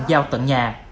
giao tận nhà